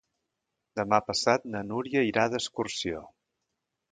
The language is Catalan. Demà passat na Núria irà d'excursió.